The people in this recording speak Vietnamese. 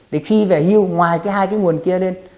để khi về hưu ngoài cái hai cái nguồn kia lên